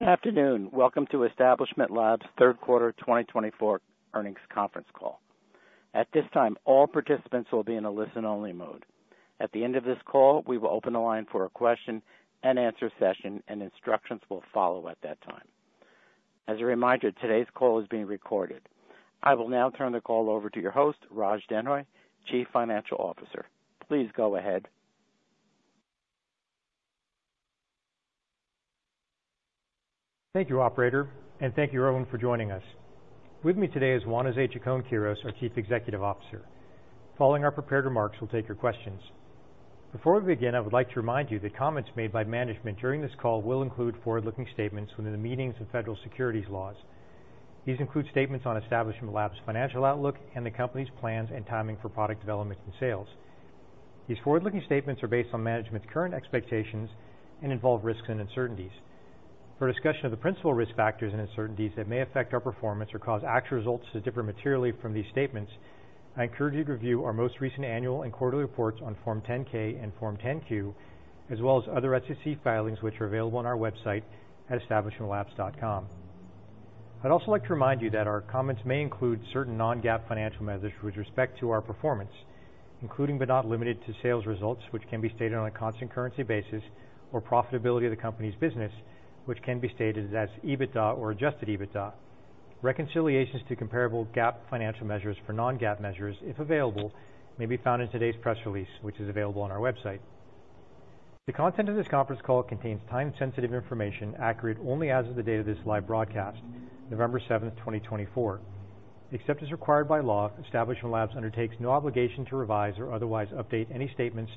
Good afternoon. Welcome to Establishment Labs' third quarter 2024 Earnings Conference Call. At this time, all participants will be in a listen-only mode. At the end of this call, we will open the line for a question-and-answer session, and instructions will follow at that time. As a reminder, today's call is being recorded. I will now turn the call over to your host, Raj Denhoy, Chief Financial Officer. Please go ahead. Thank you, Operator, and thank you, everyone, for joining us. With me today is Juan José Chacón-Quirós, our Chief Executive Officer. Following our prepared remarks, we'll take your questions. Before we begin, I would like to remind you that comments made by management during this call will include forward-looking statements within the meaning of federal securities laws. These include statements on Establishment Labs' financial outlook and the company's plans and timing for product development and sales. These forward-looking statements are based on management's current expectations and involve risks and uncertainties. For discussion of the principal risk factors and uncertainties that may affect our performance or cause actual results to differ materially from these statements, I encourage you to review our most recent annual and quarterly reports on Form 10-K and Form 10-Q, as well as other SEC filings which are available on our website at establishmentlabs.com. I'd also like to remind you that our comments may include certain non-GAAP financial measures with respect to our performance, including but not limited to sales results, which can be stated on a constant currency basis, or profitability of the company's business, which can be stated as EBITDA or adjusted EBITDA. Reconciliations to comparable GAAP financial measures for non-GAAP measures, if available, may be found in today's press release, which is available on our website. The content of this conference call contains time-sensitive information accurate only as of the date of this live broadcast, November 7th, 2024. Except as required by law, Establishment Labs undertakes no obligation to revise or otherwise update any statements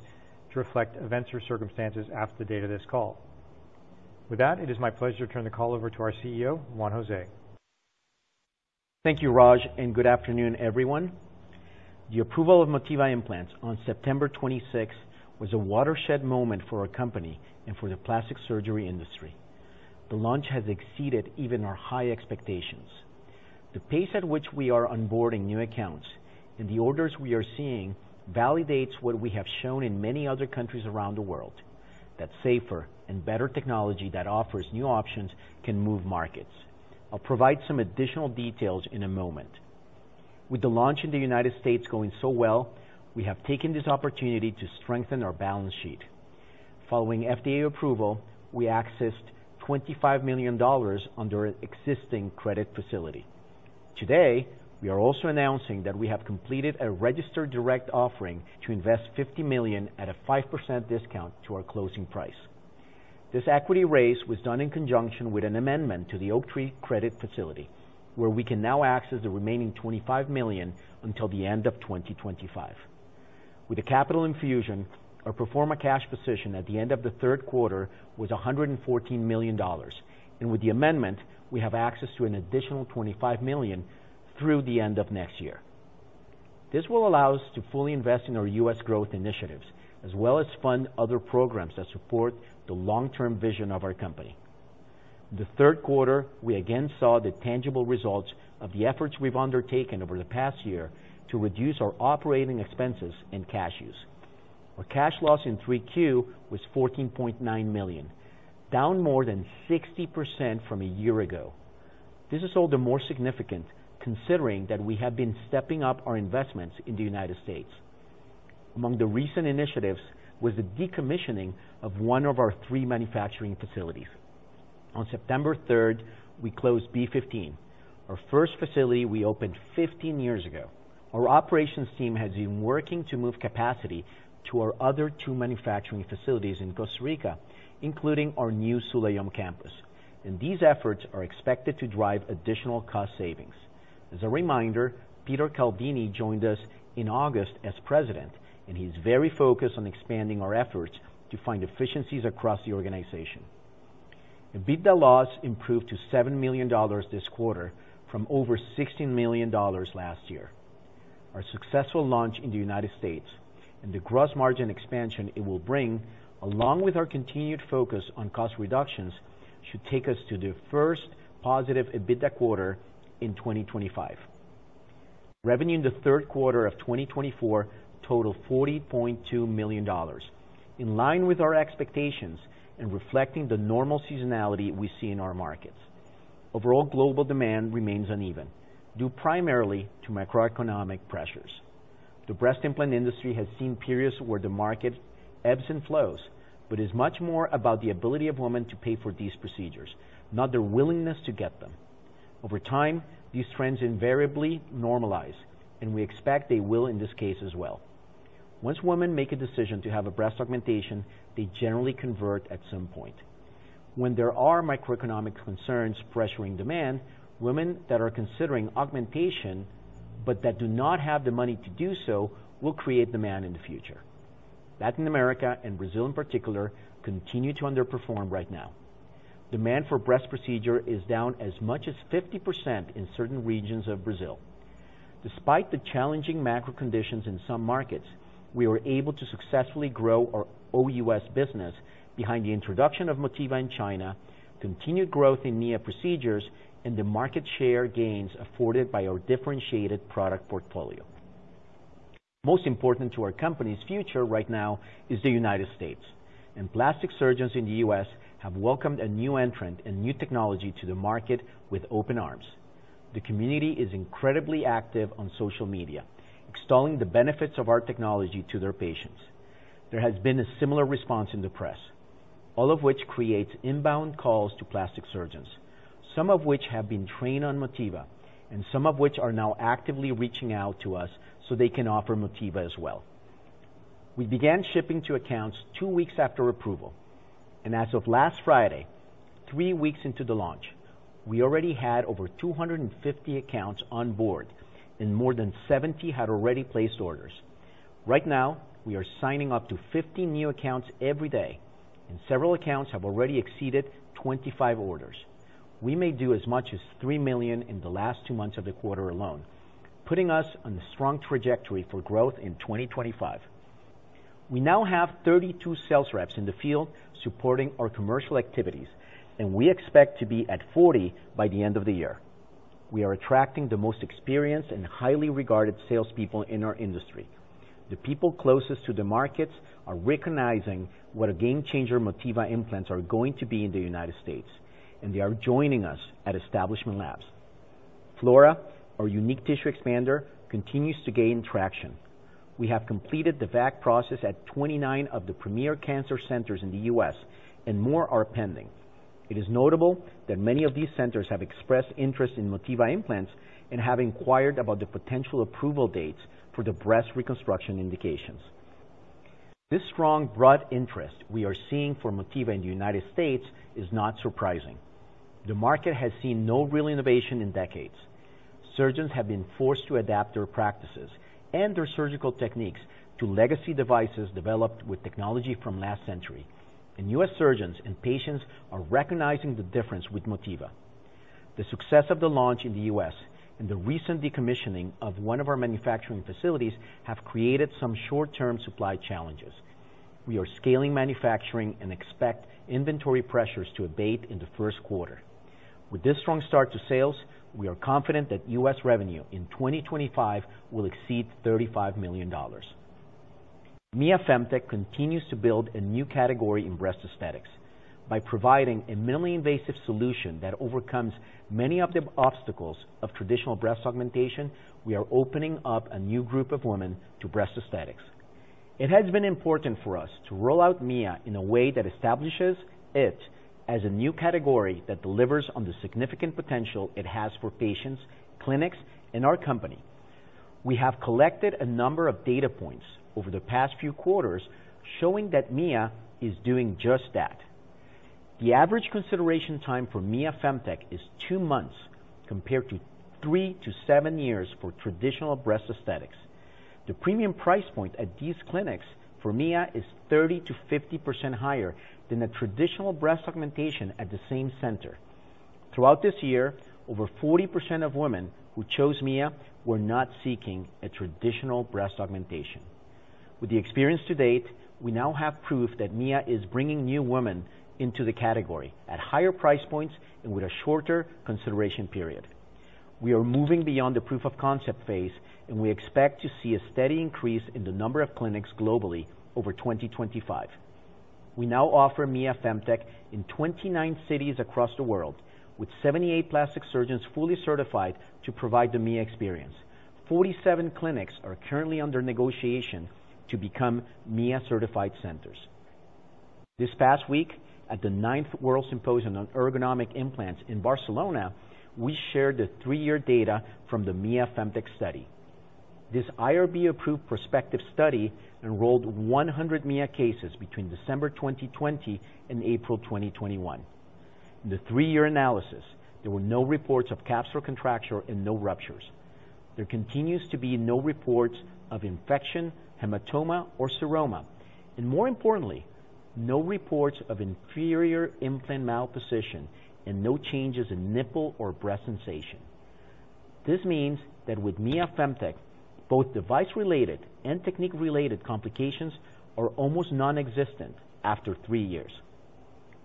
to reflect events or circumstances as of the date of this call. With that, it is my pleasure to turn the call over to our CEO, Juan José. Thank you, Raj, and good afternoon, everyone. The approval of Motiva Implants on September 26th was a watershed moment for our company and for the plastic surgery industry. The launch has exceeded even our high expectations. The pace at which we are onboarding new accounts and the orders we are seeing validates what we have shown in many other countries around the world: that safer and better technology that offers new options can move markets. I'll provide some additional details in a moment. With the launch in the United States going so well, we have taken this opportunity to strengthen our balance sheet. Following FDA approval, we accessed $25 million under our existing credit facility. Today, we are also announcing that we have completed a registered direct offering to invest $50 million at a 5% discount to our closing price. This equity raise was done in conjunction with an amendment to the Oaktree credit facility, where we can now access the remaining $25 million until the end of 2025. With the capital infusion, our pro forma cash position at the end of the third quarter was $114 million, and with the amendment, we have access to an additional $25 million through the end of next year. This will allow us to fully invest in our U.S. growth initiatives, as well as fund other programs that support the long-term vision of our company. The third quarter, we again saw the tangible results of the efforts we've undertaken over the past year to reduce our operating expenses and cash use. Our cash loss in Q3 was $14.9 million, down more than 60% from a year ago. This is all the more significant considering that we have been stepping up our investments in the United States. Among the recent initiatives was the decommissioning of one of our three manufacturing facilities. On September 3rd, we closed B15, our first facility we opened 15 years ago. Our operations team has been working to move capacity to our other two manufacturing facilities in Costa Rica, including our new Sulayom campus, and these efforts are expected to drive additional cost savings. As a reminder, Peter Caldini joined us in August as president, and he's very focused on expanding our efforts to find efficiencies across the organization. EBITDA loss improved to $7 million this quarter from over $16 million last year. Our successful launch in the United States and the gross margin expansion it will bring, along with our continued focus on cost reductions, should take us to the first positive EBITDA quarter in 2025. Revenue in the third quarter of 2024 totaled $40.2 million, in line with our expectations and reflecting the normal seasonality we see in our markets. Overall, global demand remains uneven, due primarily to macroeconomic pressures. The breast implant industry has seen periods where the market ebbs and flows, but it is much more about the ability of women to pay for these procedures, not their willingness to get them. Over time, these trends invariably normalize, and we expect they will in this case as well. Once women make a decision to have a breast augmentation, they generally convert at some point. When there are macroeconomic concerns pressuring demand, women that are considering augmentation but that do not have the money to do so will create demand in the future. Latin America and Brazil, in particular, continue to underperform right now. Demand for breast procedures is down as much as 50% in certain regions of Brazil. Despite the challenging macro conditions in some markets, we were able to successfully grow our OUS business behind the introduction of Motiva in China, continued growth in Mia procedures, and the market share gains afforded by our differentiated product portfolio. Most important to our company's future right now is the United States, and plastic surgeons in the U.S. have welcomed a new entrant and new technology to the market with open arms. The community is incredibly active on social media, extolling the benefits of our technology to their patients. There has been a similar response in the press, all of which creates inbound calls to plastic surgeons, some of which have been trained on Motiva, and some of which are now actively reaching out to us so they can offer Motiva as well. We began shipping to accounts two weeks after approval, and as of last Friday, three weeks into the launch, we already had over 250 accounts on board, and more than 70 had already placed orders. Right now, we are signing up to 50 new accounts every day, and several accounts have already exceeded 25 orders. We may do as much as $3 million in the last two months of the quarter alone, putting us on a strong trajectory for growth in 2025. We now have 32 sales reps in the field supporting our commercial activities, and we expect to be at 40 by the end of the year. We are attracting the most experienced and highly regarded salespeople in our industry. The people closest to the markets are recognizing what a game-changer Motiva Implants are going to be in the United States, and they are joining us at Establishment Labs. Flora, our unique tissue expander, continues to gain traction. We have completed the VAC process at 29 of the premier cancer centers in the U.S., and more are pending. It is notable that many of these centers have expressed interest in Motiva Implants and have inquired about the potential approval dates for the breast reconstruction indications. This strong broad interest we are seeing for Motiva in the United States is not surprising. The market has seen no real innovation in decades. Surgeons have been forced to adapt their practices and their surgical techniques to legacy devices developed with technology from last century, and U.S. surgeons and patients are recognizing the difference with Motiva. The success of the launch in the U.S. and the recent decommissioning of one of our manufacturing facilities have created some short-term supply challenges. We are scaling manufacturing and expect inventory pressures to abate in the first quarter. With this strong start to sales, we are confident that U.S. revenue in 2025 will exceed $35 million. Mia Femtech continues to build a new category in breast aesthetics. By providing a minimally invasive solution that overcomes many of the obstacles of traditional breast augmentation, we are opening up a new group of women to breast aesthetics. It has been important for us to roll out Mia in a way that establishes it as a new category that delivers on the significant potential it has for patients, clinics, and our company. We have collected a number of data points over the past few quarters showing that Mia is doing just that. The average consideration time for Mia Femtech is two months compared to three to seven years for traditional breast aesthetics. The premium price point at these clinics for Mia is 30%-50% higher than a traditional breast augmentation at the same center. Throughout this year, over 40% of women who chose Mia were not seeking a traditional breast augmentation. With the experience to date, we now have proof that Mia is bringing new women into the category at higher price points and with a shorter consideration period. We are moving beyond the proof-of-concept phase, and we expect to see a steady increase in the number of clinics globally over 2025. We now offer Mia Femtech in 29 cities across the world, with 78 plastic surgeons fully certified to provide the Mia experience. 47 clinics are currently under negotiation to become Mia-certified centers. This past week, at the 9th World Symposium on Ergonomic Implants in Barcelona, we shared the three-year data from the Mia Femtech study. This IRB-approved prospective study enrolled 100 Mia cases between December 2020 and April 2021. In the three-year analysis, there were no reports of capsular contracture and no ruptures. There continues to be no reports of infection, hematoma, or seroma, and more importantly, no reports of inferior implant malposition and no changes in nipple or breast sensation. This means that with Mia Femtech, both device-related and technique-related complications are almost nonexistent after three years.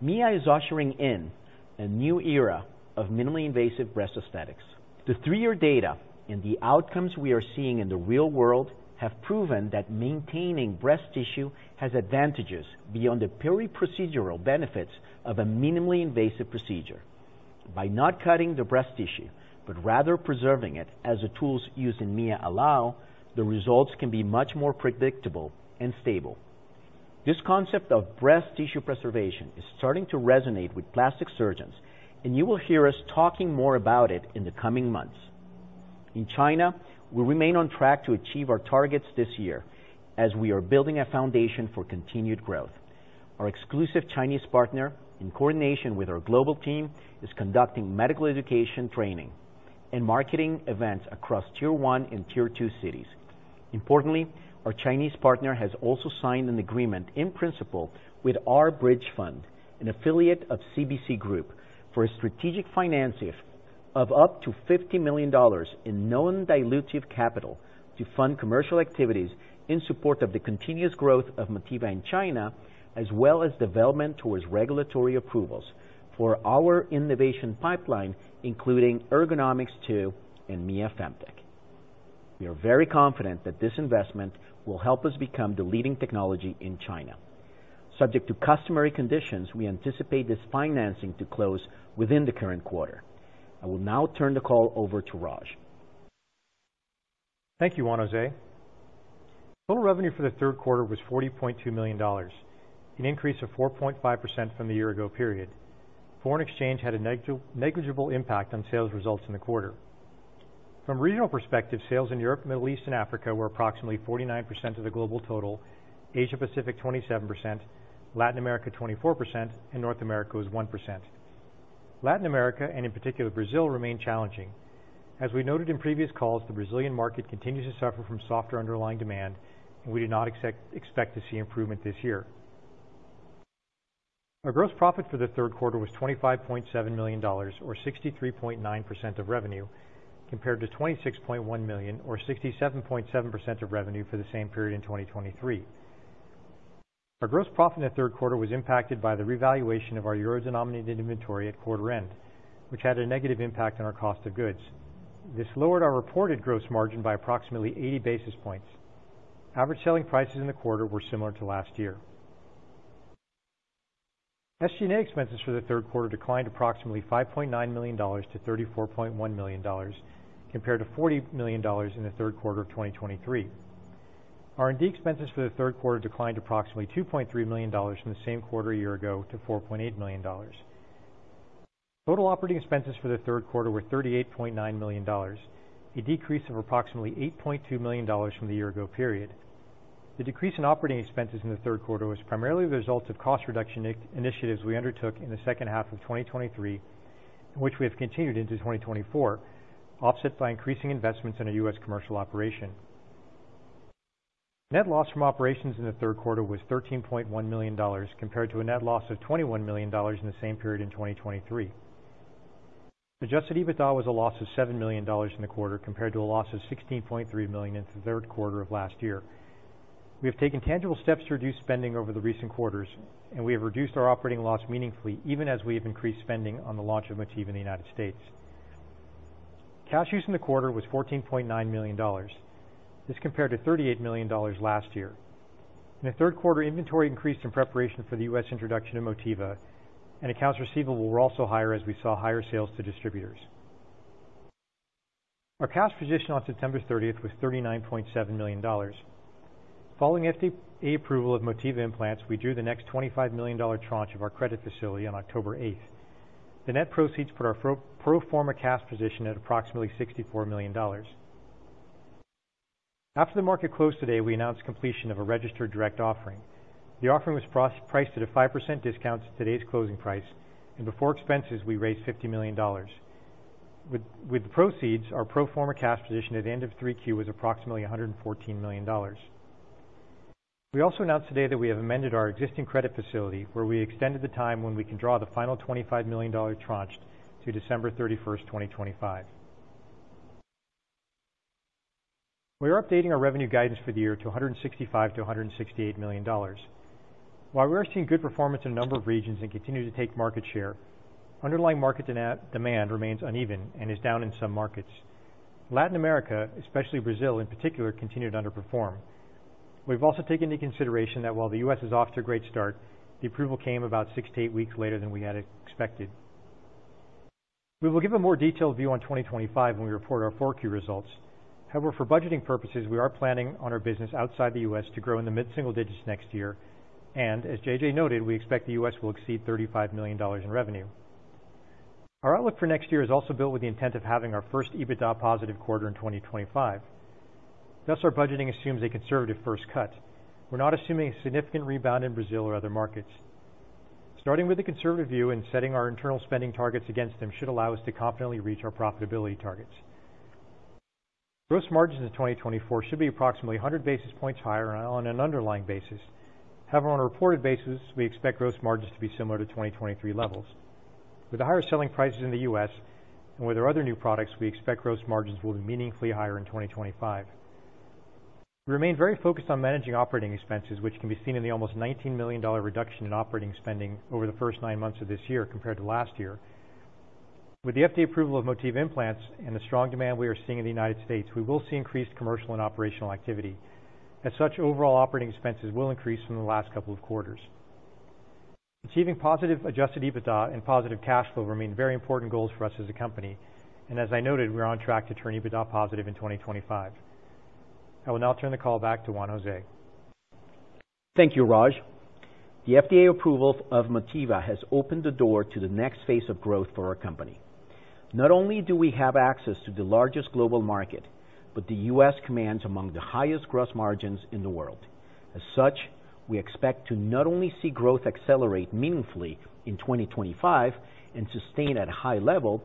Mia is ushering in a new era of minimally invasive breast aesthetics. The three-year data and the outcomes we are seeing in the real world have proven that maintaining breast tissue has advantages beyond the purely procedural benefits of a minimally invasive procedure. By not cutting the breast tissue, but rather preserving it as the tools used in Mia allow, the results can be much more predictable and stable. This concept of breast tissue preservation is starting to resonate with plastic surgeons, and you will hear us talking more about it in the coming months. In China, we remain on track to achieve our targets this year as we are building a foundation for continued growth. Our exclusive Chinese partner, in coordination with our global team, is conducting medical education training and marketing events across Tier one and Tier two cities. Importantly, our Chinese partner has also signed an agreement in principle with R-Bridge Fund, an affiliate of CBC Group, for a strategic financing of up to $50 million in non-dilutive capital to fund commercial activities in support of the continuous growth of Motiva in China, as well as development towards regulatory approvals for our innovation pipeline, including Ergonomix2 and Mia Femtech. We are very confident that this investment will help us become the leading technology in China. Subject to customary conditions, we anticipate this financing to close within the current quarter. I will now turn the call over to Raj. Thank you, Juan José. Total revenue for the third quarter was $40.2 million, an increase of 4.5% from the year-ago period. Foreign exchange had a negligible impact on sales results in the quarter. From a regional perspective, sales in Europe, Middle East, and Africa were approximately 49% of the global total, Asia-Pacific 27%, Latin America 24%, and North America was 1%. Latin America, and in particular Brazil, remain challenging. As we noted in previous calls, the Brazilian market continues to suffer from softer underlying demand, and we do not expect to see improvement this year. Our gross profit for the third quarter was $25.7 million, or 63.9% of revenue, compared to $26.1 million, or 67.7% of revenue for the same period in 2023. Our gross profit in the third quarter was impacted by the revaluation of our euro-denominated inventory at quarter-end, which had a negative impact on our cost of goods. This lowered our reported gross margin by approximately 80 basis points. Average selling prices in the quarter were similar to last year. SG&A expenses for the third quarter declined approximately $5.9 million-$34.1 million, compared to $40 million in the third quarter of 2023. R&D expenses for the third quarter declined approximately $2.3 million from the same quarter a year ago to $4.8 million. Total operating expenses for the third quarter were $38.9 million, a decrease of approximately $8.2 million from the year-ago period. The decrease in operating expenses in the third quarter was primarily the result of cost reduction initiatives we undertook in the second half of 2023, which we have continued into 2024, offset by increasing investments in our U.S. commercial operation. Net loss from operations in the third quarter was $13.1 million, compared to a net loss of $21 million in the same period in 2023. Adjusted EBITDA was a loss of $7 million in the quarter, compared to a loss of $16.3 million in the third quarter of last year. We have taken tangible steps to reduce spending over the recent quarters, and we have reduced our operating loss meaningfully, even as we have increased spending on the launch of Motiva in the United States. Cash use in the quarter was $14.9 million. This compared to $38 million last year. In the third quarter, inventory increased in preparation for the U.S. introduction of Motiva, and accounts receivable were also higher as we saw higher sales to distributors. Our cash position on September 30th was $39.7 million. Following FDA approval of Motiva Implants, we drew the next $25 million tranche of our credit facility on October 8th. The net proceeds put our pro forma cash position at approximately $64 million. After the market closed today, we announced completion of a registered direct offering. The offering was priced at a 5% discount to today's closing price, and before expenses, we raised $50 million. With the proceeds, our pro forma cash position at the end of Q3 was approximately $114 million. We also announced today that we have amended our existing credit facility, where we extended the time when we can draw the final $25 million tranche to December 31st, 2025. We are updating our revenue guidance for the year to $165-$168 million. While we are seeing good performance in a number of regions and continue to take market share, underlying market demand remains uneven and is down in some markets. Latin America, especially Brazil in particular, continued to underperform. We've also taken into consideration that while the U.S. is off to a great start, the approval came about six to eight weeks later than we had expected. We will give a more detailed view on 2025 when we report our Q4 results. However, for budgeting purposes, we are planning on our business outside the U.S. to grow in the mid-single digits next year, and as JJ noted, we expect the U.S. will exceed $35 million in revenue. Our outlook for next year is also built with the intent of having our first EBITDA positive quarter in 2025. Thus, our budgeting assumes a conservative first cut. We're not assuming a significant rebound in Brazil or other markets. Starting with a conservative view and setting our internal spending targets against them should allow us to confidently reach our profitability targets. Gross margins in 2024 should be approximately 100 basis points higher on an underlying basis. However, on a reported basis, we expect gross margins to be similar to 2023 levels. With the higher selling prices in the U.S. and with our other new products, we expect gross margins will be meaningfully higher in 2025. We remain very focused on managing operating expenses, which can be seen in the almost $19 million reduction in operating spending over the first nine months of this year compared to last year. With the FDA approval of Motiva Implants and the strong demand we are seeing in the United States, we will see increased commercial and operational activity. As such, overall operating expenses will increase in the last couple of quarters. Achieving positive Adjusted EBITDA and positive cash flow remain very important goals for us as a company, and as I noted, we are on track to turn EBITDA positive in 2025. I will now turn the call back to Juan José. Thank you, Raj. The FDA approval of Motiva has opened the door to the next phase of growth for our company. Not only do we have access to the largest global market, but the U.S. commands among the highest gross margins in the world. As such, we expect to not only see growth accelerate meaningfully in 2025 and sustain at a high level,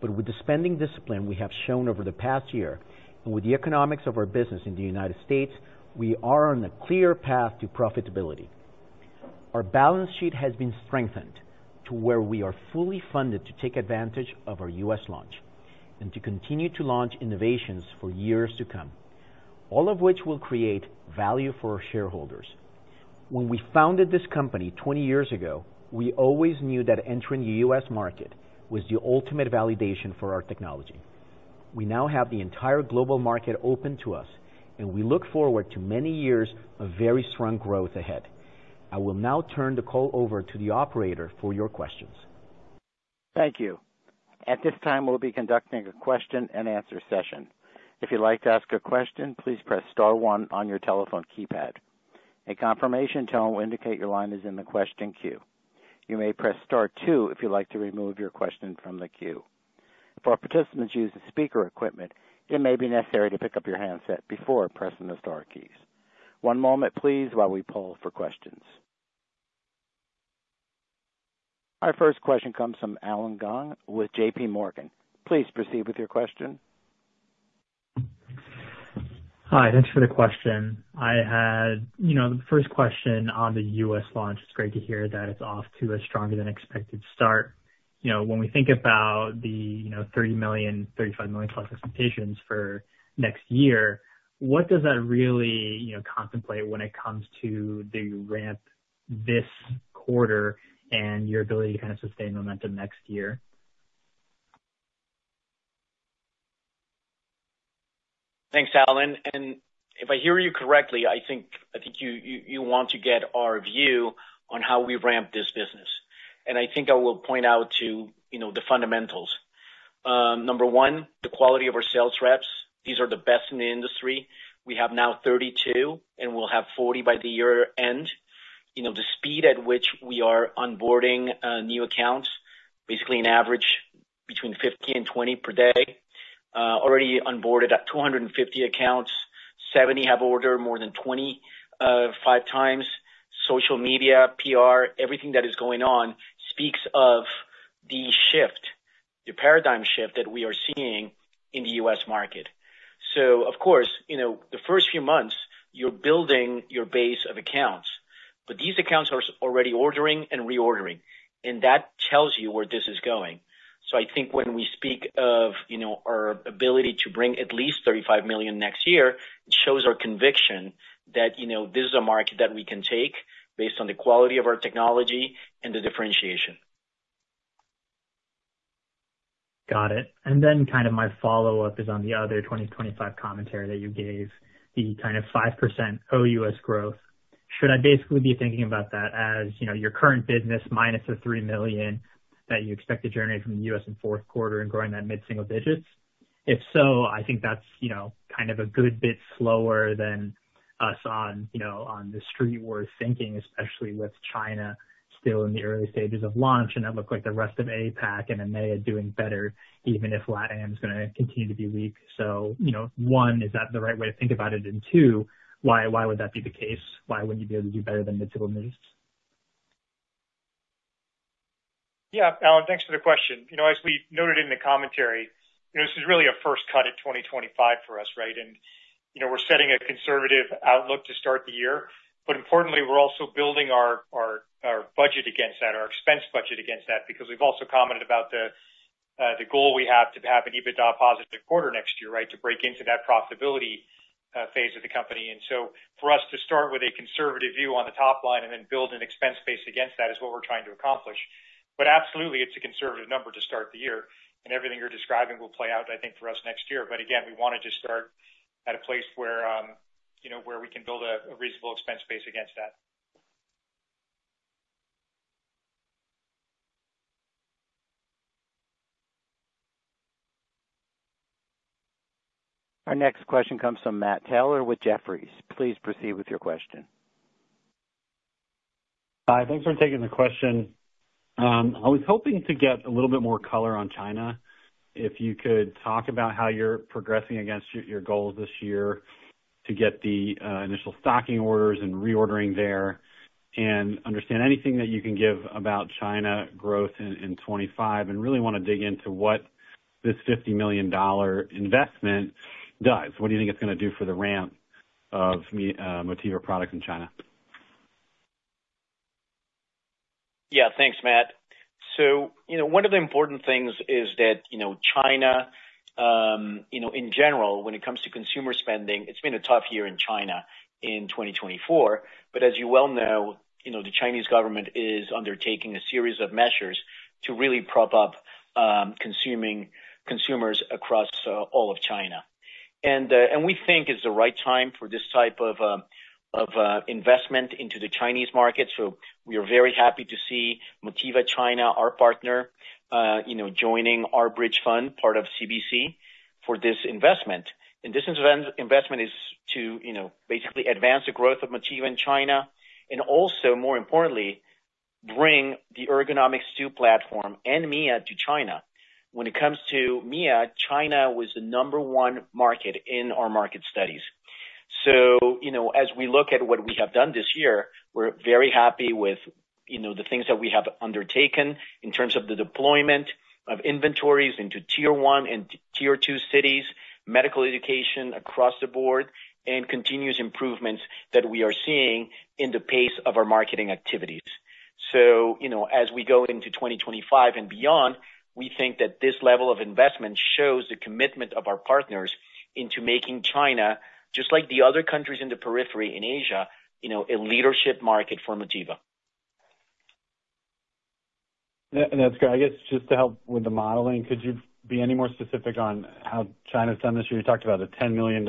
but with the spending discipline we have shown over the past year and with the economics of our business in the United States, we are on a clear path to profitability. Our balance sheet has been strengthened to where we are fully funded to take advantage of our U.S. launch and to continue to launch innovations for years to come, all of which will create value for our shareholders. When we founded this company 20 years ago, we always knew that entering the U.S. market was the ultimate validation for our technology. We now have the entire global market open to us, and we look forward to many years of very strong growth ahead. I will now turn the call over to the operator for your questions. Thank you. At this time, we'll be conducting a question-and-answer session. If you'd like to ask a question, please press Star one on your telephone keypad. A confirmation tone will indicate your line is in the question queue. You may press Star two if you'd like to remove your question from the queue. For participants using speaker equipment, it may be necessary to pick up your handset before pressing the Star keys. One moment, please, while we poll for questions. Our first question comes from Allen Gong with J.P. Morgan. Please proceed with your question. Hi. Thanks for the question. I had, you know, the first question on the U.S. launch. It's great to hear that it's off to a stronger-than-expected start. You know, when we think about the, you know, $30 million-$35 million+ expectations for next year, what does that really, you know, contemplate when it comes to the ramp this quarter and your ability to kind of sustain momentum next year? Thanks, Allen. And if I hear you correctly, I think you want to get our view on how we ramp this business. And I think I will point out to, you know, the fundamentals. Number one, the quality of our sales reps. These are the best in the industry. We have now 32, and we'll have 40 by the year-end. You know, the speed at which we are onboarding new accounts, basically an average between 50 and 20 per day, already onboarded at 250 accounts, 70 have ordered more than 25 times. Social media, PR, everything that is going on speaks of the shift, the paradigm shift that we are seeing in the U.S. market. So, of course, you know, the first few months, you're building your base of accounts, but these accounts are already ordering and reordering, and that tells you where this is going. I think when we speak of, you know, our ability to bring at least $35 million next year, it shows our conviction that, you know, this is a market that we can take based on the quality of our technology and the differentiation. Got it. And then kind of my follow-up is on the other 2025 commentary that you gave, the kind of 5% OUS growth. Should I basically be thinking about that as, you know, your current business minus the $3 million that you expect to generate from the U.S. in fourth quarter and growing that mid-single digits? If so, I think that's, you know, kind of a good bit slower than us on, you know, on the street worth thinking, especially with China still in the early stages of launch, and that looks like the rest of APAC and EMEA doing better, even if LATAM is going to continue to be weak. So, you know, one, is that the right way to think about it? And two, why, why would that be the case? Why wouldn't you be able to do better than mid-single digits? Yeah, Allen, thanks for the question. You know, as we noted in the commentary, you know, this is really a first cut at 2025 for us, right? And, you know, we're setting a conservative outlook to start the year, but importantly, we're also building our budget against that, our expense budget against that, because we've also commented about the goal we have to have an EBITDA positive quarter next year, right, to break into that profitability phase of the company. And so for us to start with a conservative view on the top line and then build an expense base against that is what we're trying to accomplish. But absolutely, it's a conservative number to start the year, and everything you're describing will play out, I think, for us next year. But again, we want to just start at a place where, you know, where we can build a reasonable expense base against that. Our next question comes from Matt Taylor with Jefferies. Please proceed with your question. Hi. Thanks for taking the question. I was hoping to get a little bit more color on China. If you could talk about how you're progressing against your goals this year to get the initial stocking orders and reordering there and understand anything that you can give about China growth in 2025, and really want to dig into what this $50 million investment does. What do you think it's going to do for the ramp of Motiva products in China? Yeah, thanks, Matt. So, you know, one of the important things is that, you know, China, you know, in general, when it comes to consumer spending, it's been a tough year in China in 2024. But as you well know, you know, the Chinese government is undertaking a series of measures to really prop up, consuming, consumers across, all of China. And we think it's the right time for this type of, investment into the Chinese market. So we are very happy to see Motiva China, our partner, you know, joining R-Bridge Fund, part of CBC, for this investment. And this investment is to, you know, basically advance the growth of Motiva in China and also, more importantly, bring the Ergonomix platform and Mia to China. When it comes to Mia, China was the number one market in our market studies. So, you know, as we look at what we have done this year, we're very happy with, you know, the things that we have undertaken in terms of the deployment of inventories into tier one and tier two cities, medical education across the board, and continuous improvements that we are seeing in the pace of our marketing activities. So, you know, as we go into 2025 and beyond, we think that this level of investment shows the commitment of our partners into making China, just like the other countries in the periphery in Asia, you know, a leadership market for Motiva. That's great. I guess just to help with the modeling, could you be any more specific on how China's done this year? You talked about a $10 million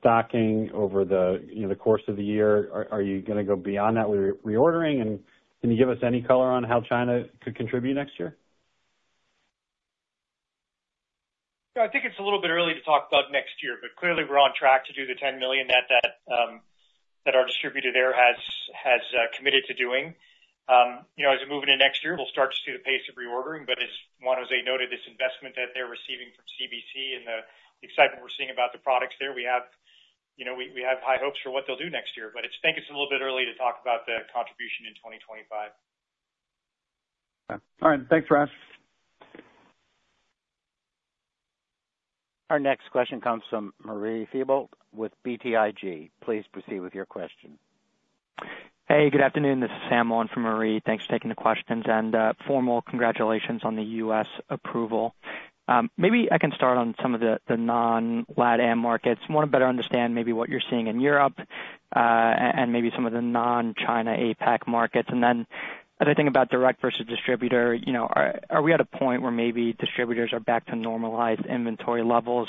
stocking over the, you know, the course of the year. Are you going to go beyond that with reordering? And can you give us any color on how China could contribute next year? I think it's a little bit early to talk about next year, but clearly we're on track to do the 10 million that our distributor there has committed to doing. You know, as we move into next year, we'll start to see the pace of reordering. But as Juan José noted, this investment that they're receiving from CBC and the excitement we're seeing about the products there, we have, you know, we have high hopes for what they'll do next year. But I think it's a little bit early to talk about the contribution in 2025. All right. Thanks, Raj. Our next question comes from Marie Thibault with BTIG. Please proceed with your question. Hey, good afternoon. This is Sam Long from BTIG. Thanks for taking the questions and formal congratulations on the U.S. approval. Maybe I can start on some of the non-LATAM markets. I want to better understand maybe what you're seeing in Europe, and maybe some of the non-China APAC markets. And then another thing about direct versus distributor, you know, are we at a point where maybe distributors are back to normalized inventory levels,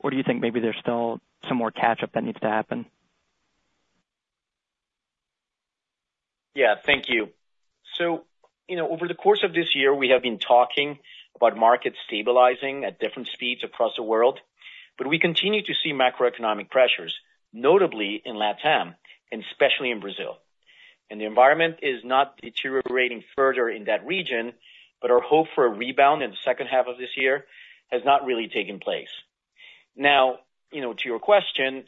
or do you think maybe there's still some more catch-up that needs to happen? Yeah, thank you. So, you know, over the course of this year, we have been talking about markets stabilizing at different speeds across the world, but we continue to see macroeconomic pressures, notably in LATAM, and especially in Brazil. And the environment is not deteriorating further in that region, but our hope for a rebound in the second half of this year has not really taken place. Now, you know, to your question,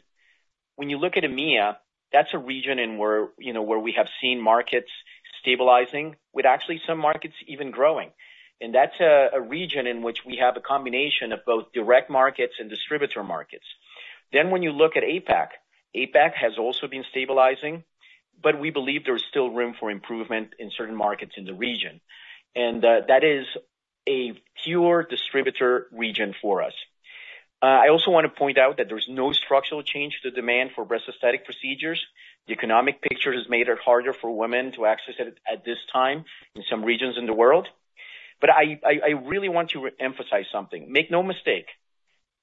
when you look at EMEA, that's a region where, you know, we have seen markets stabilizing with actually some markets even growing. And that's a region in which we have a combination of both direct markets and distributor markets. Then when you look at APAC, APAC has also been stabilizing, but we believe there is still room for improvement in certain markets in the region. And that is a pure distributor region for us. I also want to point out that there's no structural change to the demand for breast aesthetic procedures. The economic picture has made it harder for women to access it at this time in some regions in the world. But I really want to emphasize something. Make no mistake,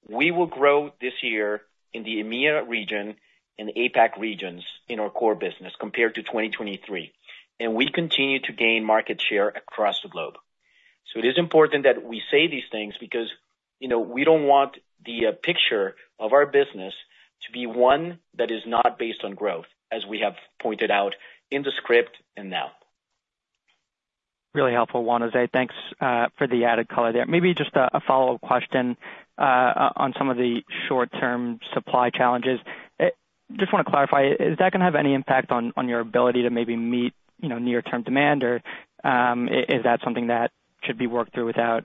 we will grow this year in the EMEA region and APAC regions in our core business compared to 2023, and we continue to gain market share across the globe. So it is important that we say these things because, you know, we don't want the picture of our business to be one that is not based on growth, as we have pointed out in the script and now. Really helpful, Juan José. Thanks for the added color there. Maybe just a follow-up question on some of the short-term supply challenges. Just want to clarify, is that going to have any impact on your ability to maybe meet, you know, near-term demand, or is that something that should be worked through without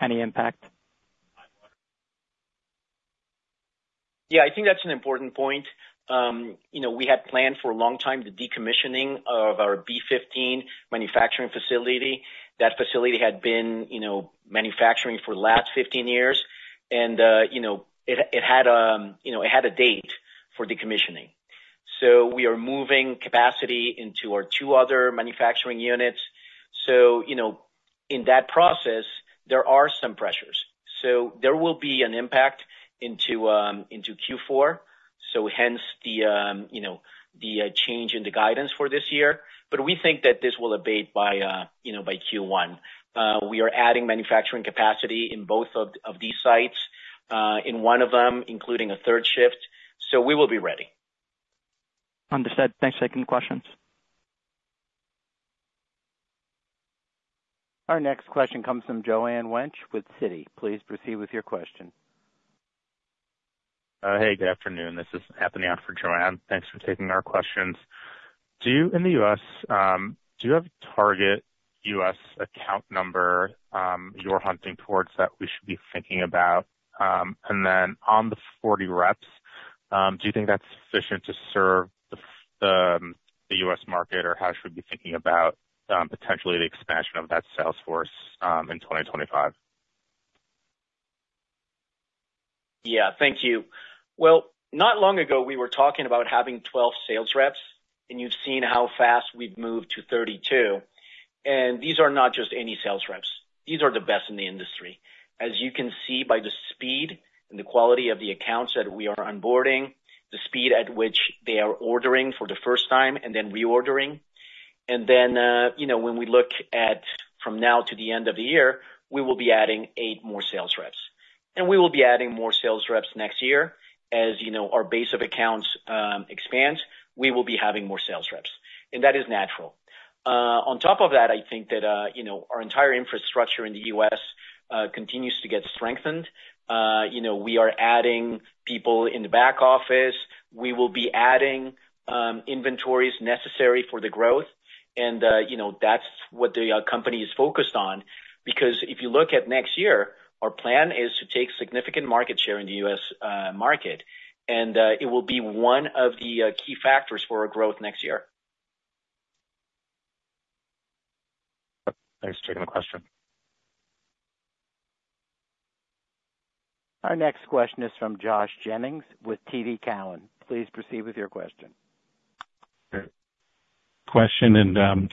any impact? Yeah, I think that's an important point. You know, we had planned for a long time the decommissioning of our B15 manufacturing facility. That facility had been, you know, manufacturing for the last 15 years. And, you know, it had a date for decommissioning. So we are moving capacity into our two other manufacturing units. So, you know, in that process, there are some pressures. So there will be an impact into Q4. So hence the change in the guidance for this year. But we think that this will abate by Q1. We are adding manufacturing capacity in both of these sites, in one of them, including a third shift. So we will be ready. Understood. Thanks for taking the questions. Our next question comes from Joanne Wuensch with Citi. Please proceed with your question. Hey, good afternoon. This is Evan Young for Joanne. Thanks for taking our questions. Do you, in the U.S., do you have a target U.S. account number you're hunting towards that we should be thinking about, and then on the 40 reps, do you think that's sufficient to serve the U.S. market, or how should we be thinking about potentially the expansion of that sales force in 2025? Yeah, thank you. Well, not long ago, we were talking about having 12 sales reps, and you've seen how fast we've moved to 32. And these are not just any sales reps. These are the best in the industry. As you can see by the speed and the quality of the accounts that we are onboarding, the speed at which they are ordering for the first time and then reordering. And then, you know, when we look at from now to the end of the year, we will be adding eight more sales reps. And we will be adding more sales reps next year. As you know, our base of accounts expands, we will be having more sales reps. And that is natural. On top of that, I think that, you know, our entire infrastructure in the U.S. continues to get strengthened. You know, we are adding people in the back office. We will be adding inventories necessary for the growth. And, you know, that's what the company is focused on. Because if you look at next year, our plan is to take significant market share in the U.S. market. And, it will be one of the key factors for our growth next year. Thanks for taking the question. Our next question is from Josh Jennings with TD Cowen. Please proceed with your question. And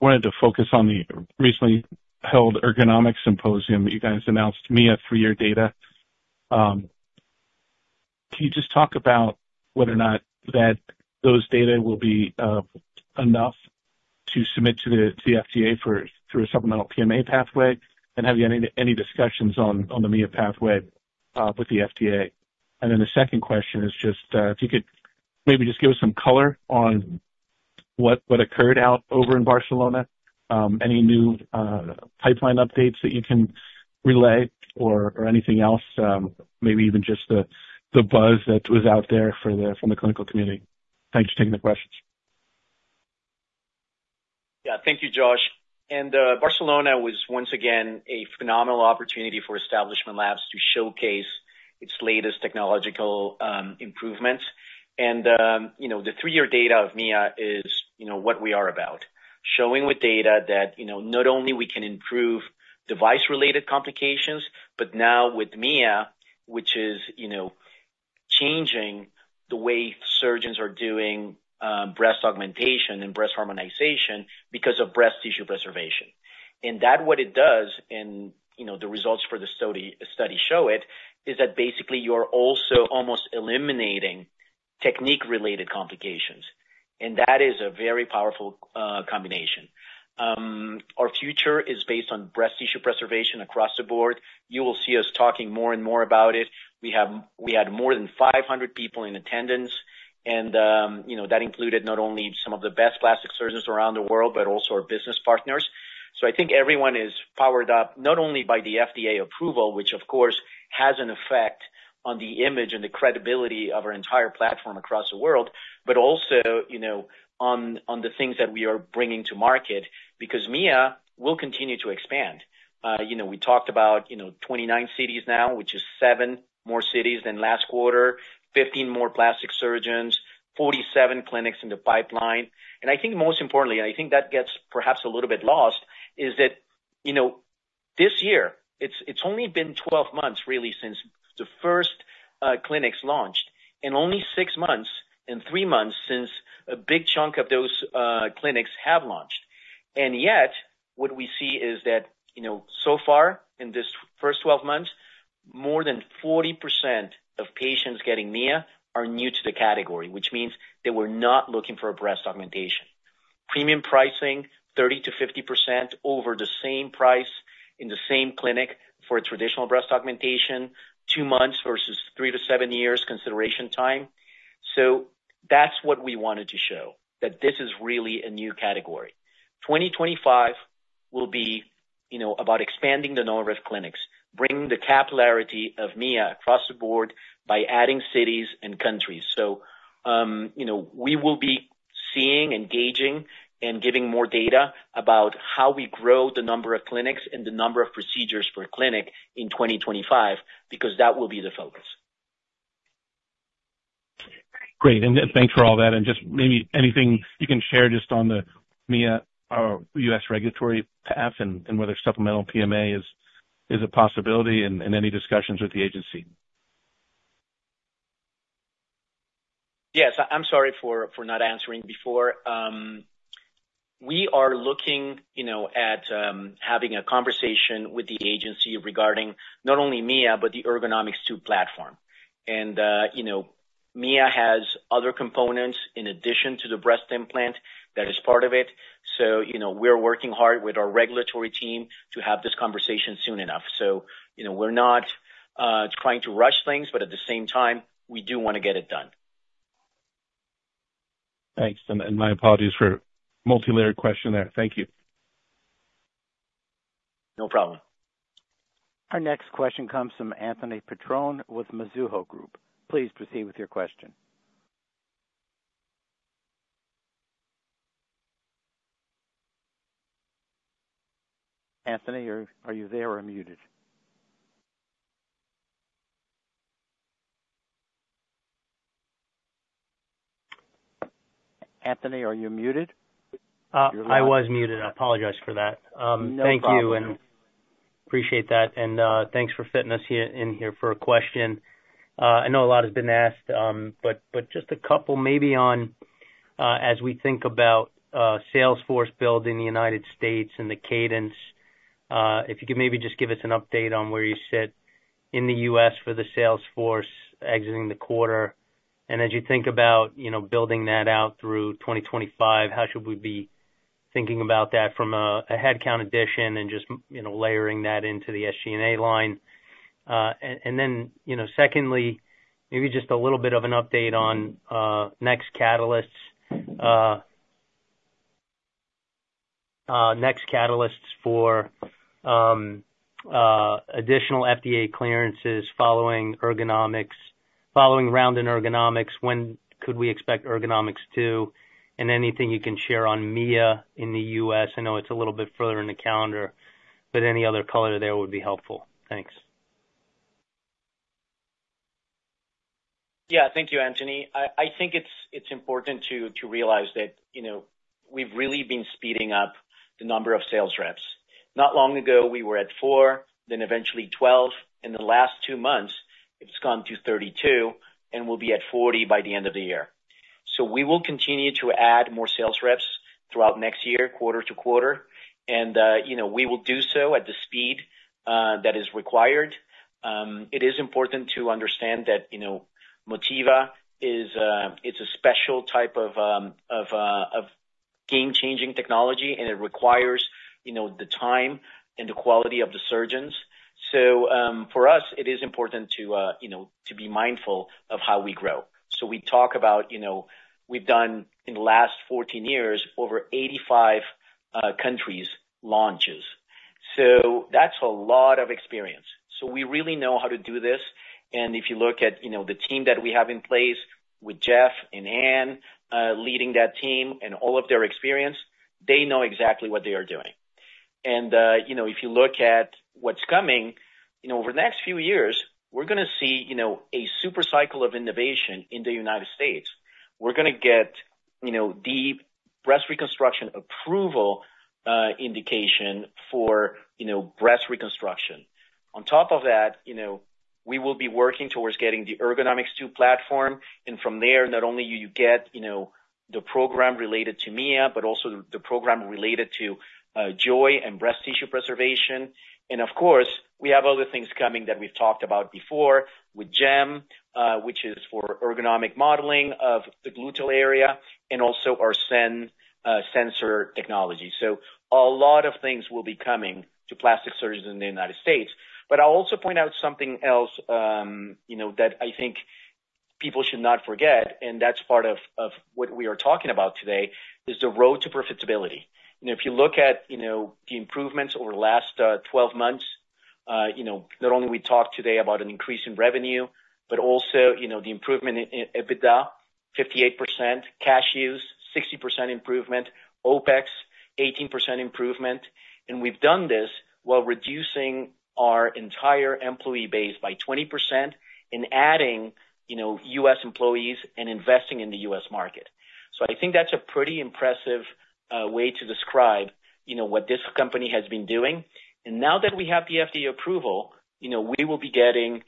wanted to focus on the recently held ergonomic symposium. You guys announced Mia three-year data. Can you just talk about whether or not that those data will be enough to submit to the FDA through a supplemental PMA pathway? And have you had any discussions on the Mia pathway with the FDA? And then the second question is just if you could maybe just give us some color on what occurred over in Barcelona, any new pipeline updates that you can relay or anything else, maybe even just the buzz that was out there from the clinical community. Thanks for taking the questions. Yeah, thank you, Josh. Barcelona was once again a phenomenal opportunity for Establishment Labs to showcase its latest technological improvements. You know, the three-year data of Mia is, you know, what we are about, showing with data that, you know, not only we can improve device-related complications, but now with Mia, which is, you know, changing the way surgeons are doing breast augmentation and breast harmonization because of breast tissue preservation. And that's what it does, and, you know, the results for the study show it, is that basically you're also almost eliminating technique-related complications. And that is a very powerful combination. Our future is based on breast tissue preservation across the board. You will see us talking more and more about it. We had more than 500 people in attendance. You know, that included not only some of the best plastic surgeons around the world, but also our business partners. I think everyone is powered up not only by the FDA approval, which of course has an effect on the image and the credibility of our entire platform across the world, but also, you know, on the things that we are bringing to market because Mia will continue to expand. You know, we talked about, you know, 29 cities now, which is seven more cities than last quarter, 15 more plastic surgeons, 47 clinics in the pipeline. I think most importantly, and I think that gets perhaps a little bit lost, is that, you know, this year, it's only been 12 months really since the first clinics launched and only six months and three months since a big chunk of those clinics have launched. And yet what we see is that, you know, so far in this first 12 months, more than 40% of patients getting Mia are new to the category, which means they were not looking for a breast augmentation. Premium pricing, 30%-50% over the same price in the same clinic for a traditional breast augmentation, two months versus three to seven years consideration time. So that's what we wanted to show, that this is really a new category. 2025 will be, you know, about expanding the number of clinics, bringing the capillarity of Mia across the board by adding cities and countries. So, you know, we will be seeing, engaging, and giving more data about how we grow the number of clinics and the number of procedures per clinic in 2025 because that will be the focus. Great. And thanks for all that. And just maybe anything you can share just on the Mia, U.S. regulatory path and whether supplemental PMA is a possibility and any discussions with the agency. Yes, I'm sorry for not answering before. We are looking, you know, at having a conversation with the agency regarding not only Mia, but the Ergonomix2 platform. And, you know, Mia has other components in addition to the breast implant that is part of it. So, you know, we're working hard with our regulatory team to have this conversation soon enough. So, you know, we're not trying to rush things, but at the same time, we do want to get it done. Thanks. And, my apologies for a multilayered question there. Thank you. No problem. Our next question comes from Anthony Petrone with Mizuho Group. Please proceed with your question. Anthony, are you there or muted? Anthony, are you muted? I was muted. I apologize for that. Thank you and appreciate that. Thanks for fitting us in here for a question. I know a lot has been asked, but just a couple maybe on, as we think about, sales force building the United States and the cadence, if you could maybe just give us an update on where you sit in the U.S. for the sales force exiting the quarter. And as you think about, you know, building that out through 2025, how should we be thinking about that from a, a headcount addition and just, you know, layering that into the SG&A line? And then, you know, secondly, maybe just a little bit of an update on next catalysts for additional FDA clearances following Ergonomix, following Round and Ergonomix. When could we expect Ergonomix2? And anything you can share on Mia in the U.S.? I know it's a little bit further in the calendar, but any other color there would be helpful. Thanks. Yeah, thank you, Anthony. I think it's important to realize that, you know, we've really been speeding up the number of sales reps. Not long ago, we were at four, then eventually 12. In the last two months, it's gone to 32, and we'll be at 40 by the end of the year. So we will continue to add more sales reps throughout next year, quarter to quarter. And, you know, we will do so at the speed that is required. It is important to understand that, you know, Motiva is a special type of game-changing technology, and it requires, you know, the time and the quality of the surgeons. So, for us, it is important to, you know, to be mindful of how we grow. So we talk about, you know, we've done in the last 14 years over 85 countries' launches. So that's a lot of experience. So we really know how to do this. And if you look at, you know, the team that we have in place with Jeff and Anne, leading that team and all of their experience, they know exactly what they are doing. And, you know, if you look at what's coming, you know, over the next few years, we're going to see, you know, a super cycle of innovation in the United States. We're going to get, you know, the breast reconstruction approval, indication for, you know, breast reconstruction. On top of that, you know, we will be working towards getting the Ergonomix2 platform. And from there, not only you get, you know, the program related to Mia, but also the program related to JOY and breast tissue preservation. Of course, we have other things coming that we've talked about before with GEM, which is for ergonomic modeling of the gluteal area and also our sensor technology. So a lot of things will be coming to plastic surgeons in the United States. But I'll also point out something else, you know, that I think people should not forget. That's part of what we are talking about today is the road to profitability. You know, if you look at the improvements over the last 12 months, you know, not only we talked today about an increase in revenue, but also, you know, the improvement in EBITDA, 58% cash use, 60% improvement, OPEX, 18% improvement. We've done this while reducing our entire employee base by 20% and adding, you know, U.S. employees and investing in the U.S. market. So I think that's a pretty impressive way to describe, you know, what this company has been doing. And now that we have the FDA approval, you know, we will be getting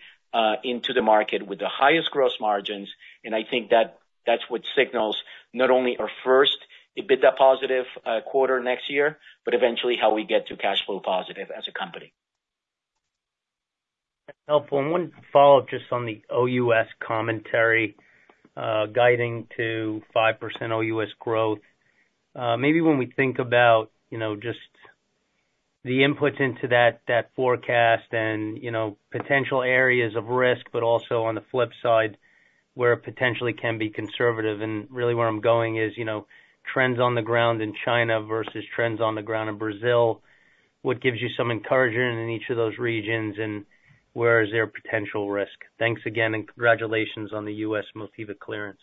into the market with the highest gross margins. And I think that that's what signals not only our first EBITDA positive quarter next year, but eventually how we get to cash flow positive as a company. Helpful. One follow-up just on the OUS commentary, guiding to 5% OUS growth. Maybe when we think about, you know, just the inputs into that, that forecast and, you know, potential areas of risk, but also on the flip side where it potentially can be conservative. And really where I'm going is, you know, trends on the ground in China versus trends on the ground in Brazil, what gives you some encouragement in each of those regions and where is there potential risk? Thanks again and congratulations on the U.S. Motiva clearance.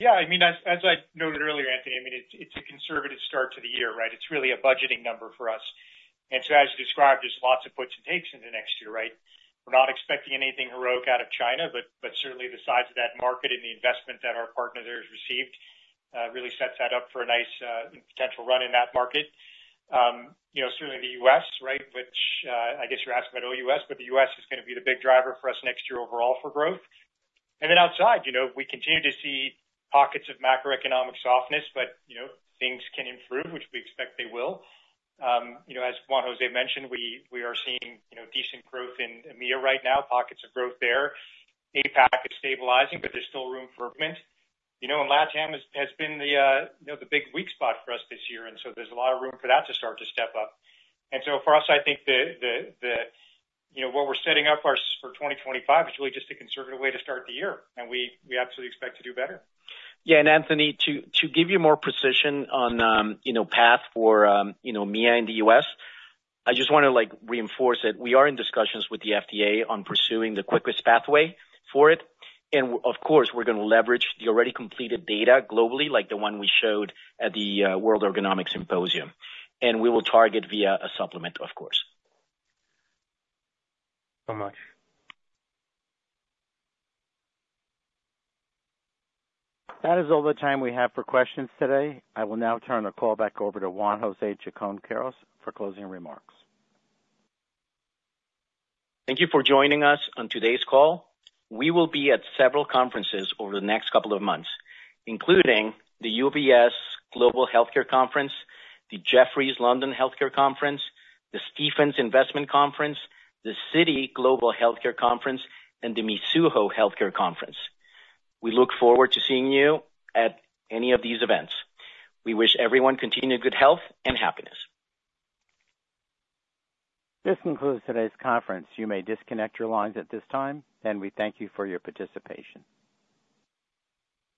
Yeah. I mean, as I noted earlier, Anthony, I mean, it's a conservative start to the year, right? It's really a budgeting number for us. And so, as you described, there's lots of puts and takes in the next year, right? We're not expecting anything heroic out of China, but certainly the size of that market and the investment that our partner there has received really sets that up for a nice potential run in that market. You know, certainly the U.S., right? Which, I guess you're asking about OUS, but the U.S. is going to be the big driver for us next year overall for growth. And then outside, you know, we continue to see pockets of macroeconomic softness, but, you know, things can improve, which we expect they will. You know, as Juan José mentioned, we are seeing, you know, decent growth in Mia right now, pockets of growth there. APAC is stabilizing, but there's still room for improvement. You know, and LATAM has been the, you know, the big weak spot for us this year. And so there's a lot of room for that to start to step up. And so for us, I think, you know, what we're setting up for us for 2025 is really just a conservative way to start the year. And we absolutely expect to do better. Yeah. And, Anthony, to give you more precision on, you know, path for, you know, Mia in the U.S., I just want to like reinforce that we are in discussions with the FDA on pursuing the quickest pathway for it. And of course, we're going to leverage the already completed data globally, like the one we showed at the World Symposium on Ergonomic Implants. And we will target via a supplement, of course. So much. That is all the time we have for questions today. I will now turn the call back over to Juan José Chacón-Quirós for closing remarks. Thank you for joining us on today's call. We will be at several conferences over the next couple of months, including the UBS Global Healthcare Conference, the Jefferies London Healthcare Conference, the Stephens Investment Conference, the Citi Global Healthcare Conference, and the Mizuho Healthcare Conference. We look forward to seeing you at any of these events. We wish everyone continued good health and happiness. This concludes today's conference. You may disconnect your lines at this time. And we thank you for your participation.